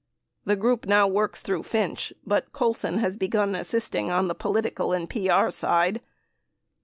The group now works through Finch, but Colson has begun assisting on the political and P.R. side.